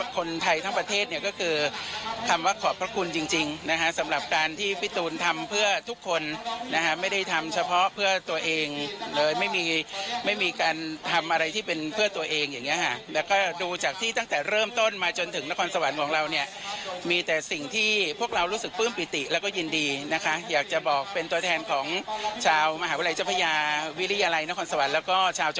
คนไทยทั้งประเทศเนี่ยก็คือคำว่าขอบพระคุณจริงจริงนะฮะสำหรับการที่พี่ตูนทำเพื่อทุกคนนะฮะไม่ได้ทำเฉพาะเพื่อตัวเองเลยไม่มีไม่มีการทำอะไรที่เป็นเพื่อตัวเองอย่างเงี้ค่ะแล้วก็ดูจากที่ตั้งแต่เริ่มต้นมาจนถึงนครสวรรค์ของเราเนี่ยมีแต่สิ่งที่พวกเรารู้สึกปลื้มปิติแล้วก็ยินดีนะคะอยากจะบอกเป็นตัวแทนของชาวมหาวิทยาลัยเจ้าพระยาวิทยาลัยนครสวรรค์แล้วก็ชาว